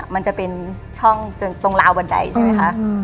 มันจะเป็นช่องตรงราวบันไดใช่ไหมคะ